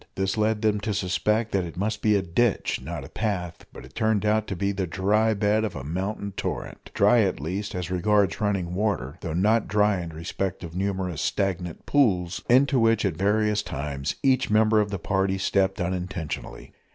This led them to suspect that it must be a ditch, not a path; but it turned out to be the dry bed of a mountain torrent dry, at least, as regards running water, though not dry in respect of numerous stagnant pools, into which at various times each member of the party stepped unintentionally.